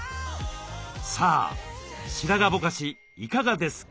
さあ白髪ぼかしいかがですか？